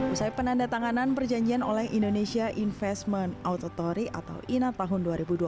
usai penanda tanganan perjanjian oleh indonesia investment autotory atau ina tahun dua ribu dua puluh